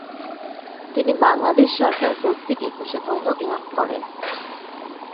তিনি বাংলাদেশ সরকার কর্তৃক একুশে পদক লাভ করেন।